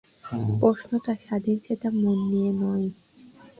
প্রশ্নটা স্বাধীনচেতা মন নিয়ে নয়।